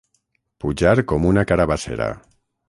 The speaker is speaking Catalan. Pujar com una carabassera.